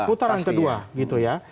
putaran kedua gitu ya